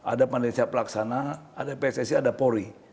ada pandensia pelaksana ada pssi ada pori